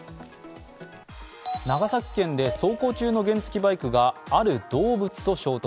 長崎県で走行中の原付バイクがある動物と衝突。